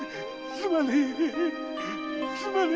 すまねぇ！